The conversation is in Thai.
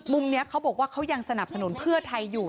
มุมนี้เขาบอกว่าเขายังสนับสนุนเพื่อไทยอยู่